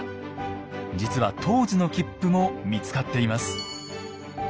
実は当時の切符も見つかっています。